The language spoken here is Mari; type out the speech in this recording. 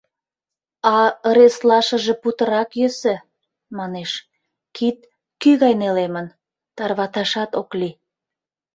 А ыреслашыже путырак йӧсӧ, манеш: кид кӱ гай нелемын, тарваташат ок лий...